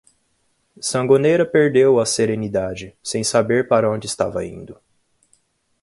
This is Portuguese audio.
Sangonera perdeu a serenidade, sem saber para onde estava indo.